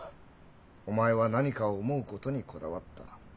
お前は何かを思うことにこだわった。